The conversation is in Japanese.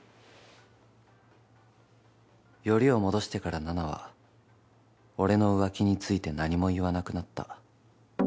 敦：よりを戻してから菜々は俺の浮気について何も言わなくなった。